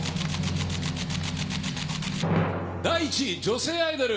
第１位、女性アイドル。